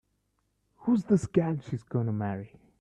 Who's this gal she's gonna marry?